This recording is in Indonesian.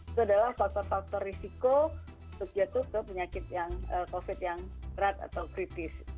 itu adalah faktor faktor risiko untuk jatuh ke penyakit covid yang berat atau kritis